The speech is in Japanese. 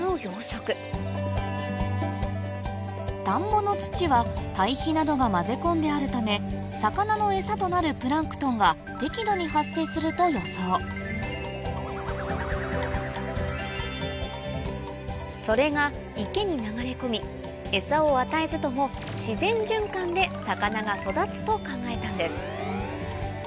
田んぼの土は堆肥などが交ぜ込んであるため魚のエサとなるプランクトンが適度に発生すると予想それが池に流れ込みエサを与えずとも自然循環で魚が育つと考えたんです